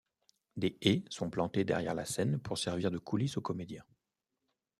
Des haies sont plantées derrière la scène pour servir de coulisses aux comédiens.